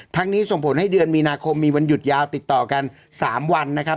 นี้ส่งผลให้เดือนมีนาคมมีวันหยุดยาวติดต่อกัน๓วันนะครับ